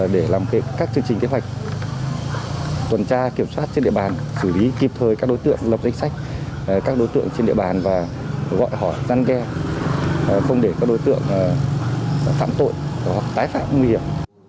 để làm các chương trình kế hoạch tuần tra kiểm soát trên địa bàn xử lý kịp thời các đối tượng lập danh sách các đối tượng trên địa bàn và gọi hỏi gian đe không để các đối tượng phạm tội hoặc tái phạm nguy hiểm